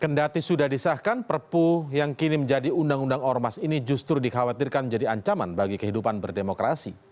kendati sudah disahkan perpu yang kini menjadi undang undang ormas ini justru dikhawatirkan menjadi ancaman bagi kehidupan berdemokrasi